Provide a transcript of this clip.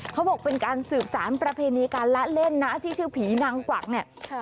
เขาบอกเป็นการสืบสารประเพณีการละเล่นนะที่ชื่อผีนางกวักเนี่ย